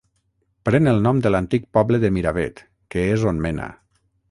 Pren el nom de l'antic poble de Miravet, que és on mena.